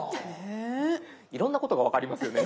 いろんなことが分かりますよね